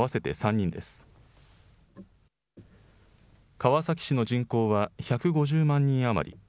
川崎市の人口は１５０万人余り。